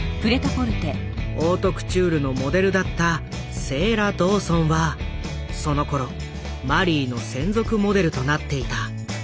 オートクチュールのモデルだったセーラ・ドーソンはそのころマリーの専属モデルとなっていた。